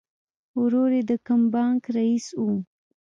ورور یې د کوم بانک رئیس و